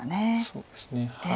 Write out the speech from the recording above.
そうですね。